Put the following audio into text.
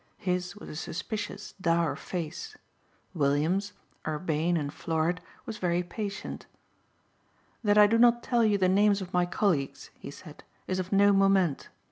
His was a suspicious, dour face. Williams, urbane and florid, was very patient. "That I do not tell you the names of my colleagues," he said, "is of no moment.